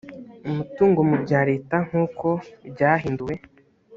umutungo bya leta nk uko ryahinduwe